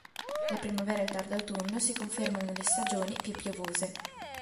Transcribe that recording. La primavera e il tardo autunno si confermano le stagioni più piovose.